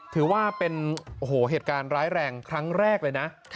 ถือว่าเป็นเหตุการณ์ร้ายแรงครั้งแรกเลยนะ